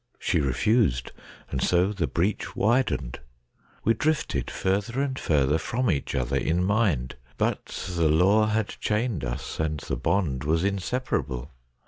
She refused ; and so the breach widened ; we drifted further and further from each other in mind, but the law had chained us, and the bond was inseparable.